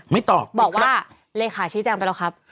ไม่ตอบบอกว่าเลขาชี้แจงไปแล้วครับ